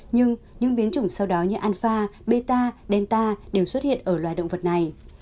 nhưng những biến chủng sau đó như alpha beta delta đều xuất hiện ở loài động vật này